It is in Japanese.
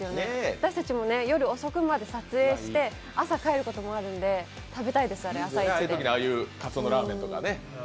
私たちも夜遅くまで撮影して朝帰ることもあるので食べたいです、あれ朝一です。